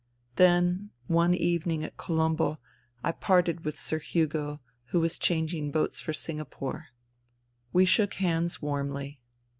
... Then, one evening at Colombo, I parted with Sir Hugo, who was changing boats for Singapore. We shook hands warmly.